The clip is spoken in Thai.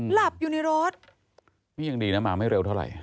หลับอยู่ในรถนี่ยังดีนะมาไม่เร็วเท่าไหร่